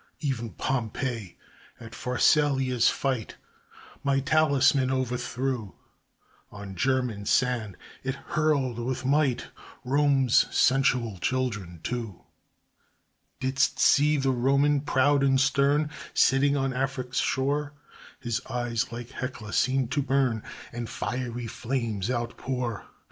E'en Pompey, at Pharsalia's fight, My talisman o'erthrew; On German sand it hurled with might Rome's sensual children, too. Didst see the Roman, proud and stern, Sitting on Afric's shore? His eyes like Hecla seem to burn, And fiery flames outpour.